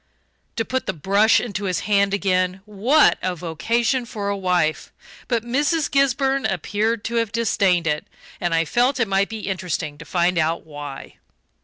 To put the brush into his hand again what a vocation for a wife! But Mrs. Gisburn appeared to have disdained it and I felt it might be interesting to find out why.